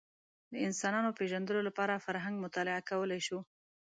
د انسانانو پېژندلو لپاره فرهنګ مطالعه کولی شو